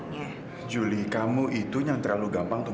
gak ada yang peduli sama aku